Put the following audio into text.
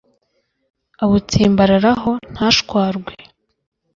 abutsimbararaho ntashwarwe